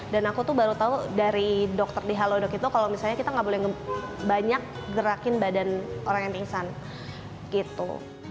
dan aku tuh baru tahu dari dokter di halodoc itu kalau misalnya kita nggak boleh banyak gerakin badan orang yang pingsan gitu